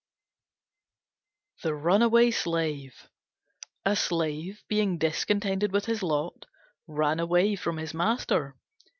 THE RUNAWAY SLAVE A Slave, being discontented with his lot, ran away from his master.